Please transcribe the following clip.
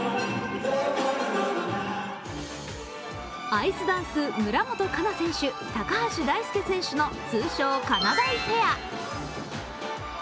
アイスダンス、村元哉中選手、高橋大輔選手の通称かなだいペア。